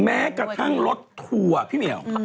แม้กระทั่งรถทัวร์พี่เหมียว